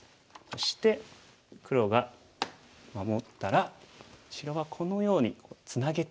そして黒が守ったら白はこのようにツナげていきますね。